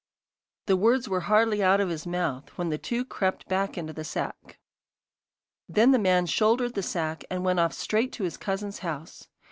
The words were hardly out of his mouth, when the two crept back into the sack. Then the man shouldered the sack, and went off straight to his cousin's house.